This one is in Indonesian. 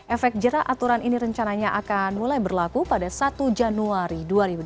efek jerah aturan ini rencananya akan mulai berlaku pada satu januari dua ribu dua puluh